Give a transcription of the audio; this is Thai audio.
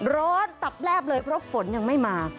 ตับแลบเลยเพราะฝนยังไม่มา